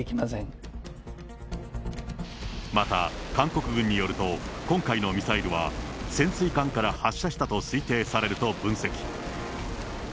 また、韓国軍によると、今回のミサイルは、潜水艦から発射したと推定されると分析。